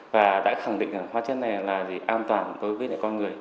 và đã khẳng định hóa chất này là gì an toàn với con người